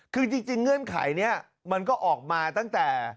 คือจริงเงื่อนไขนี้มันก็ออกมาตั้งแต่